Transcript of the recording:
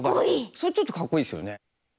それちょっとかっこいいですよね。